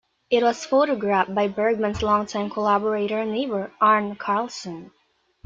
It was photographed by Bergman's longtime collaborator and neighbour, Arne Carlsson.